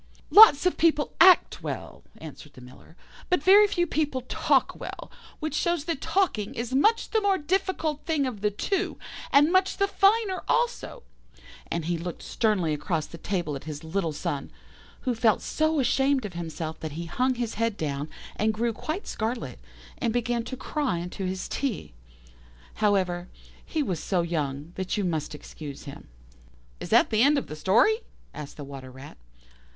"'Lots of people act well,' answered the Miller; 'but very few people talk well, which shows that talking is much the more difficult thing of the two, and much the finer thing also'; and he looked sternly across the table at his little son, who felt so ashamed of himself that he hung his head down, and grew quite scarlet, and began to cry into his tea. However, he was so young that you must excuse him." "Is that the end of the story?" asked the Water rat.